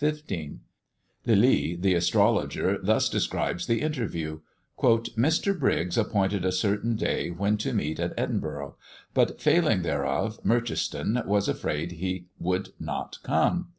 Lilly, the astrologer, thus describes the interview: "Mr. Briggs appointed a certain day when to meet at Edinburgh; but, failing thereof, Merchiston was afraid he would not come.